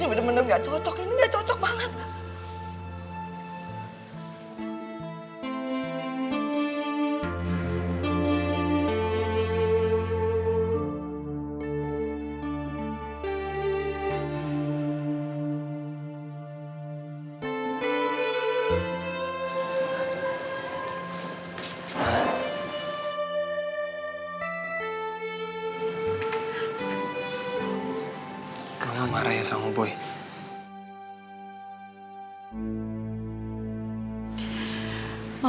ini bener bener nggak cocok